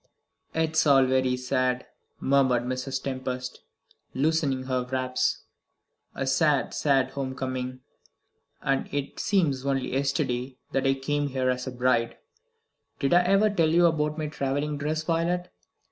"It's all very sad," murmured Mrs. Tempest, loosening her wraps. "A sad, sad home coming. And it seems only yesterday that I came here as a bride. Did I ever tell you about my travelling dress, Violet?